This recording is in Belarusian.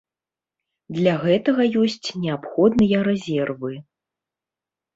Для гэтага ёсць неабходныя рэзервы.